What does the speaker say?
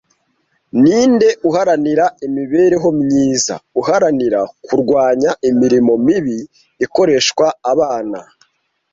Ninde uharanira imibereho myiza uharanira kurwanya imirimo mibi ikoreshwa abana